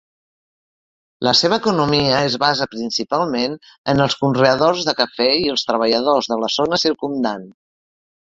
La seva economia es basa principalment en els conreadors de cafè i els treballadors de la zona circumdant.